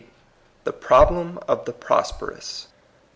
THB PROBLEM OF THE PBOSPBBOUS.